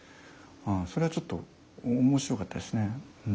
それはちょっと面白かったですね。